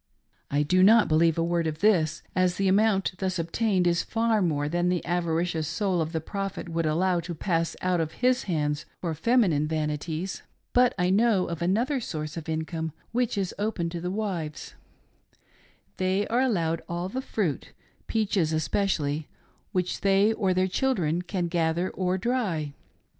I do not believe a word of this,, as the amount thus obtained is far more than the avaricious soul of the Prophet would allow to pass out of his hands for feminine vanities. But I know of another source of income which is INSIDE THE LION HOUSE. 393 open to the wives. They are allowed all the fruit — peaches especially — which they or their children^ can gather or dry.